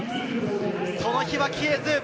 その火は消えず。